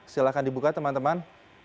silahkan dibuka teman teman